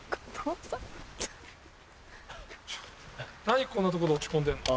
何こんなとこで落ち込んでんの？